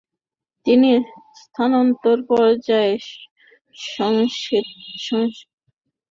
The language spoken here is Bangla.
তিনি স্নাতক পর্যায়ে সঙ্গীত নিয়ে পড়াশোনা করতে ইচ্ছুক।